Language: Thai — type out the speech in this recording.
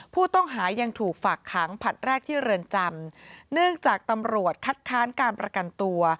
ผู้ต้องหายังถูกฝากขังผลัดแรกที่เรือนจำเนื่องจากตำรวจคัดค้านการประกันตัว